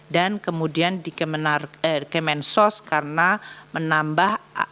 dan kemudian di kemensos karena menambah